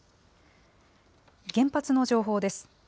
原発の情報です。